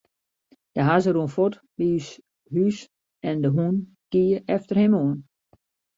De hazze rûn fuort by ús hús en de hûn gie efter him oan.